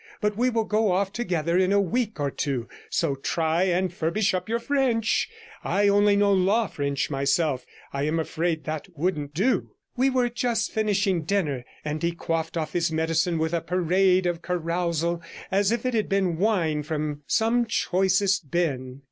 But we will go off together in a week or two, so try and furbish up your French. I only know law French myself, and I am afraid that wouldn't do.' We were just finishing dinner, and he quaffed off his medicine with a parade of carousal as if it had been wine from some choicest bin.